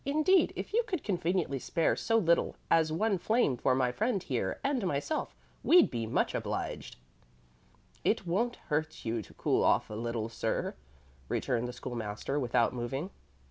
Indeed, if you could conveniently spare so little as one flame for my friend here and myself, we'd be much obliged." "It won't hurt you to cool off a little, sir," returned the School master, without moving.